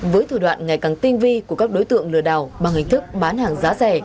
với thủ đoạn ngày càng tinh vi của các đối tượng lừa đảo bằng hình thức bán hàng giá rẻ